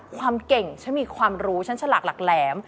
ความเก่งฉันมีความรู้ฉันฉลากหลักแหลม